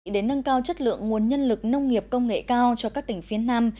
để nâng cao chất lượng nguồn nhân lực nông nghiệp công nghệ cao cho các tỉnh phía nam